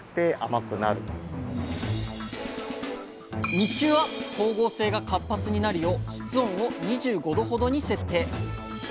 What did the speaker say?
日中は光合成が活発になるよう室温を２５℃ほどに設定。